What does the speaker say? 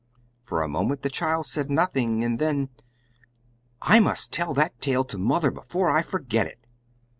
For a moment the child said nothing, and then, "I must tell that tale to mother before I forget it!"